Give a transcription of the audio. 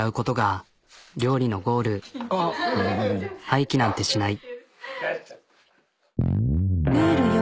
廃棄なんてしない。